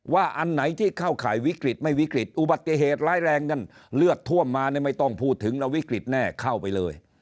อันไหนที่เข้าข่ายวิกฤตไม่วิกฤตอุบัติเหตุร้ายแรงนั่นเลือดท่วมมาไม่ต้องพูดถึงวิกฤตแน่เข้าไปเลย